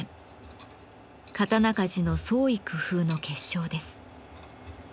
刀鍛冶の創意工夫の結晶です。